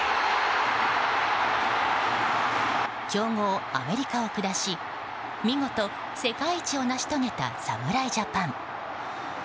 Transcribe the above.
強豪アメリカを下し見事、世界一を成し遂げた侍ジャパン。